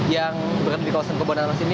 yang berada di kawasan kebonanas ini